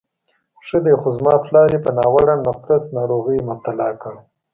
ښه دی، خو زما پلار یې په ناوړه نقرس ناروغۍ مبتلا کړ.